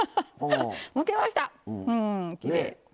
むけましたきれい。